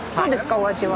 お味は。